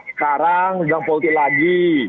sekarang sedang politik lagi